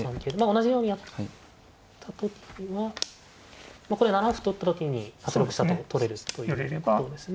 同じようにやった時はこれ７七歩と打った時に８六飛車と取れるということですね。